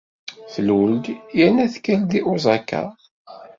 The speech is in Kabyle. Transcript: Tlul-d yerna tenker-d deg Osaka.